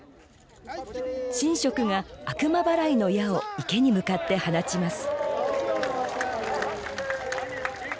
神職が悪魔払いの矢を池に向かって放ちます。